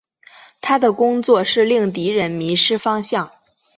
他的工作是令敌人迷失方向。